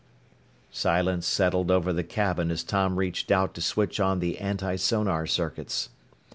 Silence settled over the cabin as Tom reached out to switch on the antisonar circuits.